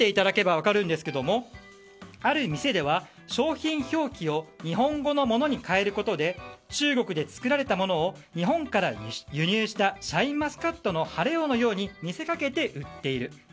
ある店では商品表記を日本語のものに変えることで中国で作られたものを日本から輸入したシャインマスカットの晴王のように見せかけて売っている。